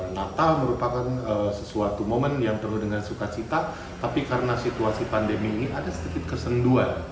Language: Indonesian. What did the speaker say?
natal merupakan sesuatu momen yang penuh dengan sukacita tapi karena situasi pandemi ini ada sedikit kesenduan